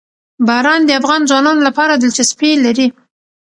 باران د افغان ځوانانو لپاره دلچسپي لري.